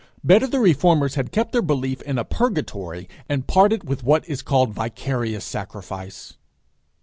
Better the reformers had kept their belief in a purgatory, and parted with what is called vicarious sacrifice!